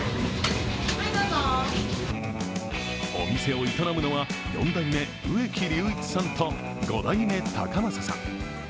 お店を営むのは４代目・植木隆一さんと５代目・隆正さん。